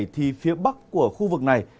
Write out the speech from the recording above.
thì phía bắc của khu vực này